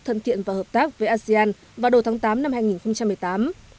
thân thiện và hợp tác với asean vào đầu tháng tám năm hai nghìn một mươi tám